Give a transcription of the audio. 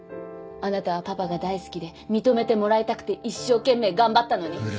あなたはパパが大好きで認めてもらいたくて一生懸命頑張ったのに。